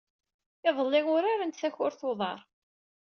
Iḍelli, urarent takurt n uḍar.